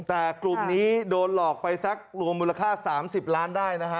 แต่กลุ่มนี้โดนหลอกไปสักรวมมูลค่า๓๐ล้านได้นะฮะ